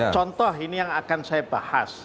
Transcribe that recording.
contoh ini yang akan saya bahas